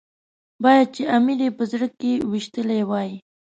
باید چې امیر یې په زړه کې ويشتلی وای.